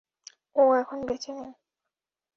ও এখন বেঁচে নেই।